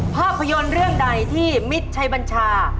ภาพยนตร์เรื่องใดที่มิตรชัยบัญชา